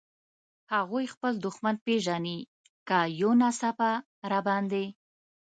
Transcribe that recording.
هغوی خپل دښمن پېژني، که یو ناڅاپه را باندې.